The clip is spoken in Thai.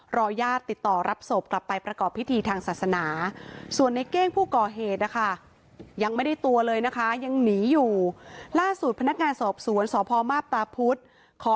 ญาติติดต่อรับศพกลับไปประกอบพิธีทางศาสนาส่วนในเก้งผู้ก่อเหตุนะคะ